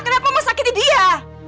kenapa mau sakiti dia